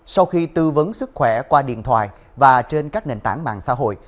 sau khi tư vấn sức khỏe qua điện thoại và trên các nền tảng mạng xã hội